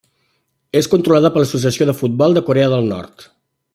És controlada per l'Associació de futbol de Corea del Nord.